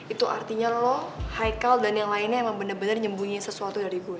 itu artinya lo hikal dan yang lainnya emang bener bener nyembunyi sesuatu dari guru